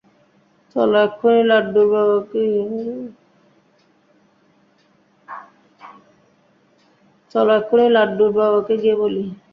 চল এক্ষুনি লাড্ডুর বাবাকে গিয়ে বলি।